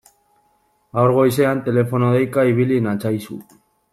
Gaur goizean telefono deika ibili natzaizu.